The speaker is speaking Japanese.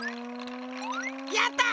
やった！